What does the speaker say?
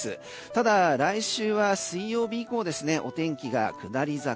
ただ、来週は水曜日以降、お天気が下り坂。